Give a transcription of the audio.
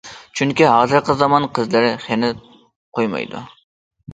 چۈنكى ھازىرقى زامان قىزلىرى خېنە قويمايدۇ.